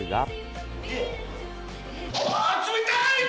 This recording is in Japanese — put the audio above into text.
冷たい！